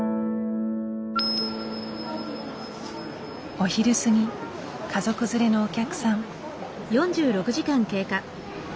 お昼過ぎ家族連れのお客さん。